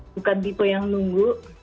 bukan tipe yang nunggu